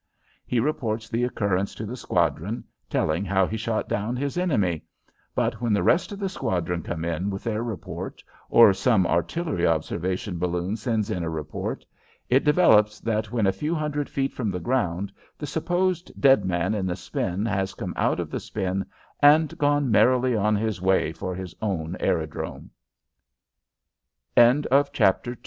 He reports the occurrence to the squadron, telling how he shot down his enemy; but when the rest of the squadron come in with their report, or some artillery observation balloon sends in a report, it develops that when a few hundred feet from the ground the supposed dead man in the spin has come out of the spin and gone merrily on his way for his own aerodrome. III CAP